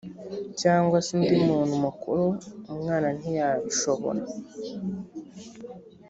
cyangwa se undi muntu mukuru umwana ntiyabishobora